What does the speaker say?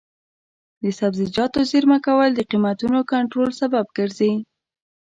د سبزیجاتو زېرمه کول د قیمتونو کنټرول سبب ګرځي.